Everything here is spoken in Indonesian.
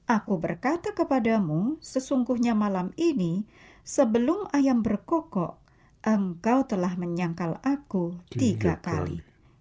aku berkata kepadamu sesungguhnya malam ini sebelum ayam berkokok engkau telah menyangkal aku tiga kali